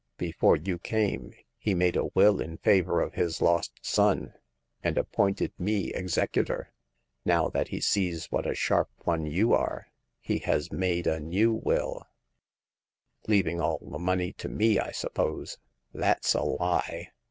Before you came, he made a will in favor of his lost son, and appointed me executor. Now that he sees what a sharp one you are, he has made a new will "" Leaving all the money to me, I suppose ? That's a lie